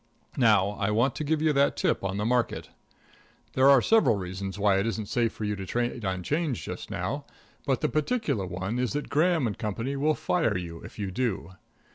Now, I want to give you that tip on the market. There are several reasons why it isn't safe for you to trade on 'Change just now, but the particular one is that Graham & Co. will fire you if you do.